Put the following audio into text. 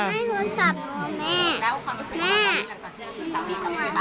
ไม่รู้สึกแม่